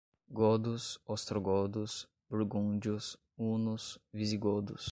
Godos, ostrogodos, burgúndios, hunos, visigodos